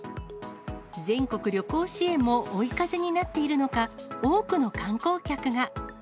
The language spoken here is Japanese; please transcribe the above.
全国旅行支援も追い風になっているのか、多くの観光客が。